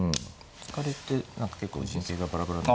突かれて何か結構陣形がバラバラに。